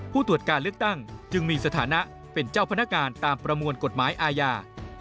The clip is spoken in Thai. ผู้ตรวจการเลือกตั้งจึงมีสถานะเป็นเจ้าพนักงานตามประมวลกฎหมายอาญา